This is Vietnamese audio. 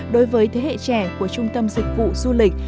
đối với thế hệ trẻ của trung tâm dịch vụ du lịch